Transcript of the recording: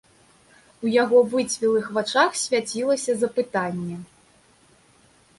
У яго выцвілых вачах свяцілася запытанне.